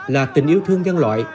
là tình yêu thương nhân loại